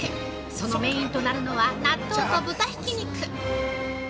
そのメインとなるのは納豆と豚ひき肉。